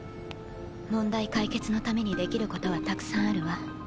問題解決のためにできることはたくさんあるわ。